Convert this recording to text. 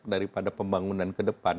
daripada pembangunan ke depan